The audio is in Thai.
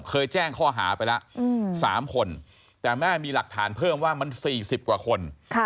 เคยแจ้งข้อหาไปแล้ว๓คนแต่แม่มีหลักฐานเพิ่มว่ามัน๔๐กว่าคน